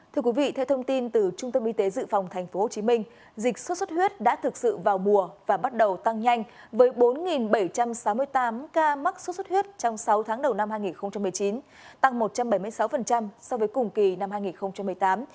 thưa quý vị theo thông tin từ trung tâm y tế dự phòng tp hcm dịch xuất xuất huyết đã thực sự vào mùa và bắt đầu tăng nhanh với bốn bảy trăm sáu mươi tám ca mắc sốt xuất huyết trong sáu tháng đầu năm hai nghìn một mươi chín tăng một trăm bảy mươi sáu so với cùng kỳ năm hai nghìn một mươi tám